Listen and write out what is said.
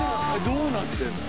どうなってるの？